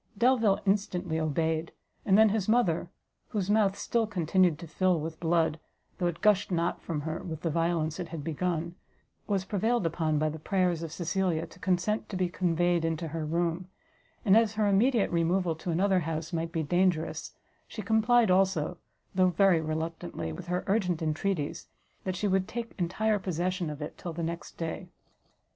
Delvile instantly obeyed, and then his mother, whose mouth still continued to fill with blood, though it gushed not from her with the violence it had begun, was prevailed upon by the prayers of Cecilia to consent to be conveyed into her room; and, as her immediate removal to another house might be dangerous, she complied also, though very reluctantly, with her urgent entreaties, that she would take entire possession of it till the next day.